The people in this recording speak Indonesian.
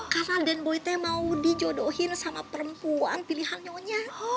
karena aden boy mau dijodohin sama perempuan pilihan nyonya